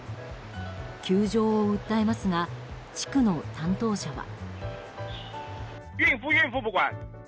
窮状を訴えますが地区の担当者は。